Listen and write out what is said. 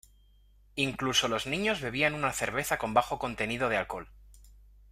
Incluso los niños bebían una cerveza con bajo contenido de alcohol.